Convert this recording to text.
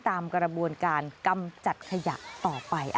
ตามกระบวนการกำจัดขยะต่อไป